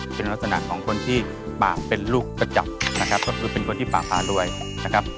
เป็นลักษณะของคนที่ป่าเป็นลูกประจำนะครับก็คือเป็นคนที่ป่าพารวยนะครับ